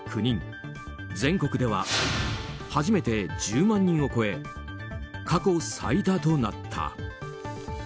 全国では初めて１０万人を超え過去最多となった。